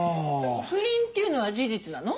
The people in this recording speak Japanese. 不倫っていうのは事実なの？